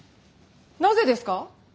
なぜですか？